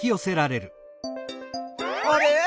あれ？